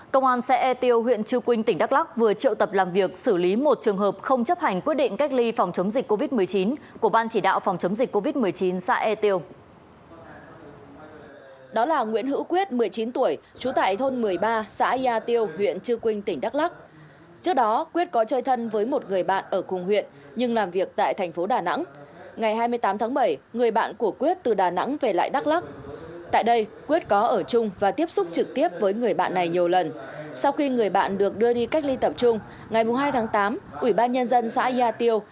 công an xã e tiêu huyện chư quynh tỉnh đắk lóc vừa triệu tập làm việc xử lý một trường hợp không chấp hành quyết định cách ly phòng chống dịch covid một mươi chín của ban chỉ đạo phòng chống dịch covid một mươi chín xã e tiêu